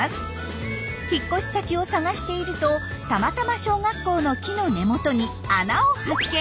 引っ越し先を探しているとたまたま小学校の木の根元に穴を発見。